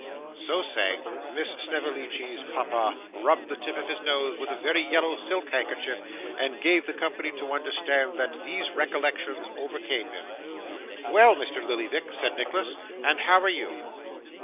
So saying Miss Snevellicci's papa rubbed the tip of his nose with a very yellow silk handkerchief, and gave the company to understand that these recollections overcame him. 'Well, Mr. Lillyvick,' said Nicholas, 'and how are you?